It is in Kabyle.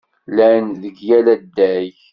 Llan deg yal adeg.